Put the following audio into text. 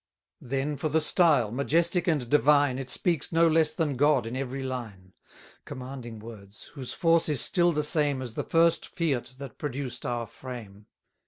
Then for the style, majestic and divine, It speaks no less than God in every line: Commanding words; whose force is still the same As the first fiat that produced our frame.